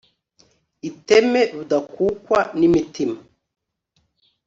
iteme Rudakukwa nimitima